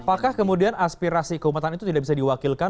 apakah kemudian aspirasi keumatan itu tidak bisa diwakilkan